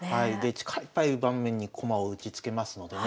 力いっぱい盤面に駒を打ちつけますのでね